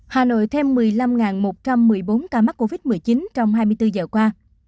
hà nội thêm một mươi năm một trăm một mươi bốn ca mắc covid một mươi chín trong hai mươi bốn giờ qua